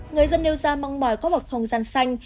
người dân nêu ra mong mỏi có một không gian xanh